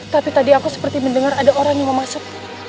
tapi tadi aku seperti mendengar ada orang yang mau masuk